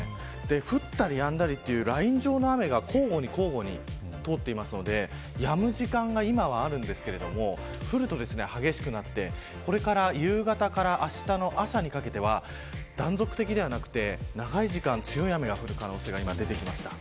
降ったりやんだりというライン状の雨が交互に通っていますのでやむ時間は今はあるんですが降ると激しくなってこれから夕方からあしたの朝にかけては断続的ではなく、長い時間強い雨が降る可能性があります。